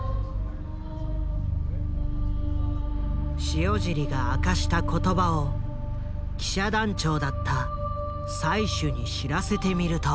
塩尻が明かした言葉を記者団長だった最首に知らせてみると。